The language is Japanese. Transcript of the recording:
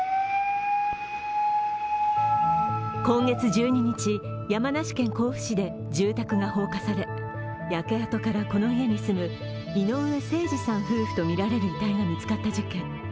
今月１２日、山梨県甲府市で住宅が放火され焼け跡からこの家に住む井上盛司さん夫婦とみられる遺体が見つかった事件